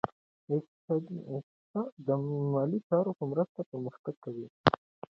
اقتصاد د مالي چارو په مرسته پرمختګ کوي.